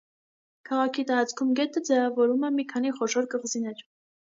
Քաղաքի տարածքում գետը ձևավորում է մի քանի խոշոր կղզիներ։